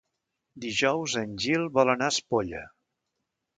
Dijous en Gil vol anar a Espolla.